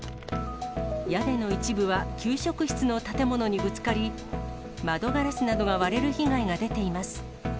屋根の一部は給食室の建物にぶつかり、窓ガラスなどが割れる被害が出ています。